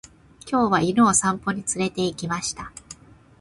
今日は犬を散歩に連れて行きました。